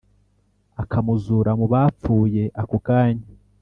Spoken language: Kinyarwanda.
akamuzura mu bapfuye ako kanya